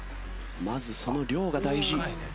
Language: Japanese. まずその量が大事。